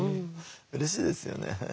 うれしいですよね。